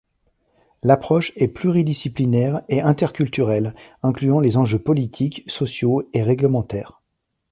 L'approche est pluridisciplinaire et interculturelle, incluant les enjeux politiques, sociaux et réglementaires.